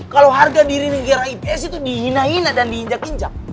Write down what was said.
kalau harga diri negara ips itu dihina hina dan diinjak injak